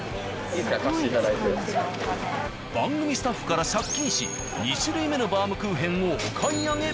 番組スタッフから借金し２種類目のバウムクーヘンをお買い上げ。